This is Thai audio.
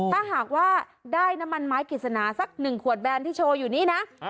ถ้าหากว่าได้น้ำมันไม้กฤษณาสัก๑ขวดแบนที่โชว์อยู่นี้นะ